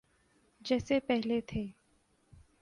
جیسے پہلے تھے۔